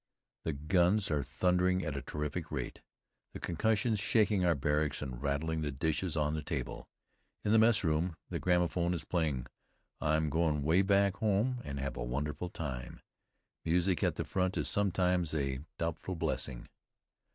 The guns are thundering at a terrific rate, the concussions shaking our barracks and rattling the dishes on the table. In the messroom the gramophone is playing, "I'm going 'way back home and have a wonderful time." Music at the front is sometimes a doubtful blessing.